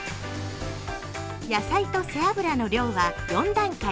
野菜と背脂の量は４段階。